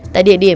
tại địa điểm